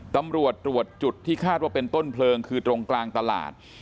ตำรวจตรวจจุดที่คาดว่าเป็นต้นเพลิงคือตรงกลางตลาด